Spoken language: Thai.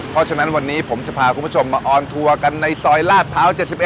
เพราะฉะนั้นวันนี้ผมจะพาคุณผู้ชมมาออนทัวร์กันในซอยลาดพร้าว๗๑